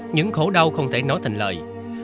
những khổ đau không thể nói thành lời